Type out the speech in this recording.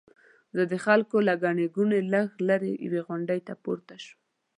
زه د خلکو له ګڼې ګوڼې لږ لرې یوې غونډۍ ته پورته شوم.